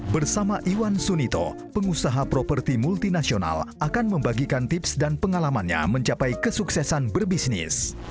bersama iwan sunito pengusaha properti multinasional akan membagikan tips dan pengalamannya mencapai kesuksesan berbisnis